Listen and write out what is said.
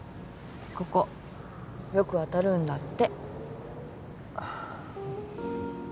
ここよく当たるんだって